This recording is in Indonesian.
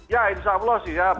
ya insya allah siap